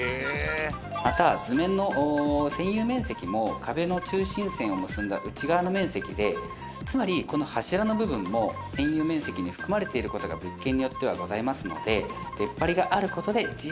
また図面の占有面積も壁の中心線を結んだ内側の面積でつまりこの柱の部分も占有面積に含まれていることが物件によってはございますので出っ張りがあることであっうそ！？